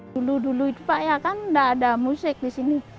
dulu dulu itu pak ya kan tidak ada musik disini